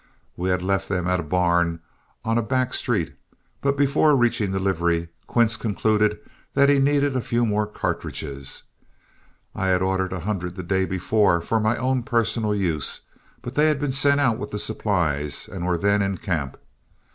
We had left them at a barn on a back street, but before reaching the livery, Quince concluded that he needed a few more cartridges. I had ordered a hundred the day before for my own personal use, but they had been sent out with the supplies and were then in camp.